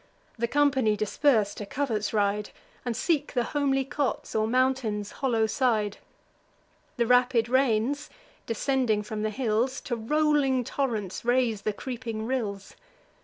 The company, dispers'd, to converts ride, And seek the homely cots, or mountain's hollow side. The rapid rains, descending from the hills, To rolling torrents raise the creeping rills.